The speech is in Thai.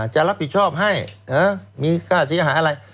จะรับผิดชอบให้มีค่าเสียหายอะไร